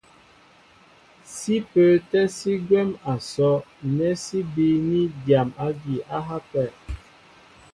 Sí pə́ə́tɛ́ sí gwɛ̌m a sɔ́' nɛ́ sí bííní dyam ági á hápɛ.